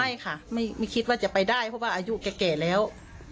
ไม่ค่ะไม่คิดว่าจะไปได้เพราะว่าอายุแก่แล้ว